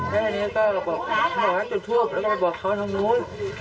แล้วทีนี้ก็บอกบอกให้จุดทูปแล้วก็บอกเขาทางนู้น